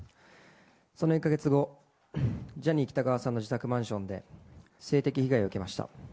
その１か月後、ジャニー喜多川さんの自宅マンションで、性的被害を受けました。